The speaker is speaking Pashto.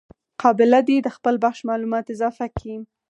قابله دي د خپل بخش معلومات اضافه کي.